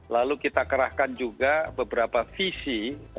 lalu kita kerahkan juga beberapa visi